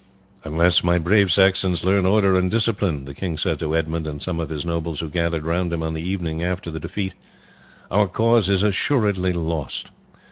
"Unless my brave Saxons learn order and discipline," the king said to Edmund and some of his nobles who gathered round him on the evening after the defeat, "our cause is assuredly lost.